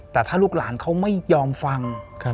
แต่ถ้าลูกหลานเขาไม่ยอมฟัง